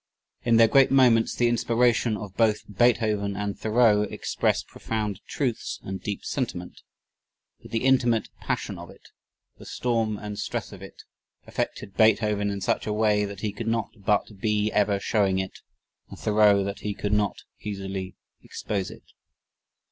In their greatest moments the inspiration of both Beethoven and Thoreau express profound truths and deep sentiment, but the intimate passion of it, the storm and stress of it, affected Beethoven in such a way that he could not but be ever showing it and Thoreau that he could not easily expose it.